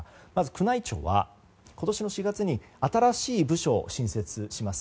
宮内庁は今年の４月に新しい部署を新設します。